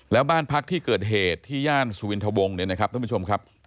แล้วบ้านพักที่เกิดเหตุที่ย่านสุวินทะวงเนี่ยนะครับท่านผู้ชมครับ